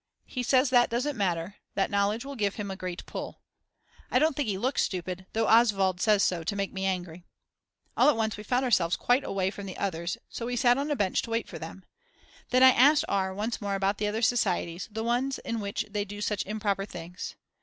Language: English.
He says that doesn't matter, that knowledge will give him a great pull. I don't think he looks stupid, though Oswald says so to make me angry. All at once we found ourselves quite away from the others and so we sat on a bench to wait for them. Then I asked R. once more about the other societies, the ones in which they do such improper things.